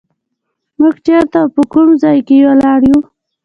موږ چېرته او په کوم ځای کې ولاړ یو.